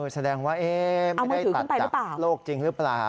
แสดงว่าไม่ได้ตัดจากโลกจริงหรือเปล่า